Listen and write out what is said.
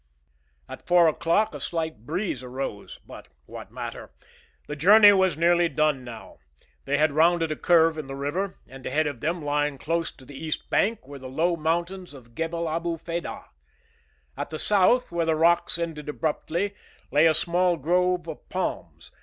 At four o'clock a slight breeze arose; but what matter? The journey was nearly done now. They had rounded a curve in the river, and ahead of them, lying close to the east bank, were the low mountains of Gebel Abu Fedah. At the south, where the rocks ended abruptly, lay a small grove of palms.